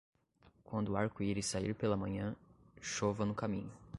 Quando o arco-íris sair pela manhã, chova no caminho.